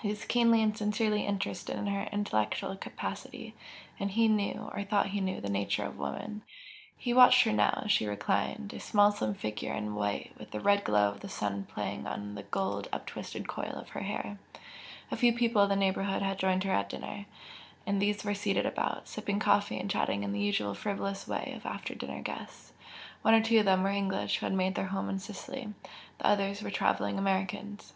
He was keenly and sincerely interested in her intellectual capacity, and he knew, or thought he knew, the nature of woman. He watched her now as she reclined, a small slim figure in white, with the red glow of the sun playing on the gold uptwisted coil of her hair, a few people of the neighbourhood had joined her at dinner, and these were seated about, sipping coffee and chatting in the usual frivolous way of after dinner guests one or two of them were English who had made their home in Sicily, the others were travelling Americans.